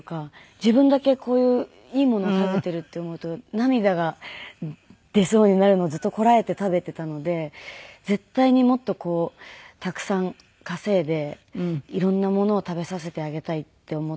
自分だけこういういいものを食べているって思うと涙が出そうになるのをずっとこらえて食べていたので絶対にもっとたくさん稼いで色んなものを食べさせてあげたいって思って。